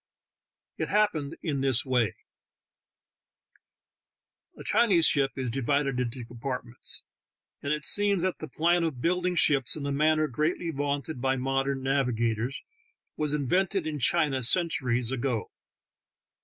It happened in this way: A Chinese ship is divided into compartments, and it seems that the plan of building ships in the manner greatly vaunted by modern nav igators was invented in China centuries ago.